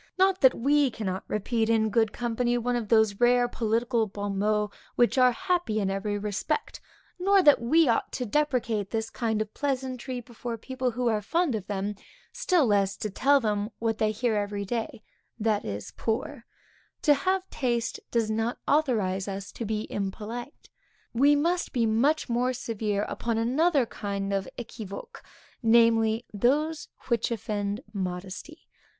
Not that we cannot repeat in good company one of those rare political bon mots which are happy in every respect; nor that we ought to deprecate this kind of pleasantry before people who are fond of them, still less to tell them what they hear every day, That is poor; to have taste, does not authorize us to be impolite. We must be much more severe upon another kind of équivoques; namely, those which offend modesty.